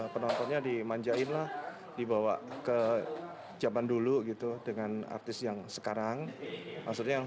penontonnya dimanjain lah dibawa ke zaman dulu gitu dengan artis yang sekarang maksudnya yang